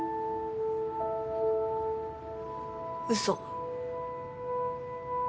嘘。